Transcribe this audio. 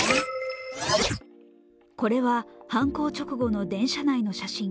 これは犯行直後の電車内の写真。